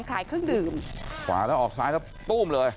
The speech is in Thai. ขายเครื่องดื่มขวาแล้วออกซ้ายแล้วตู้มเลย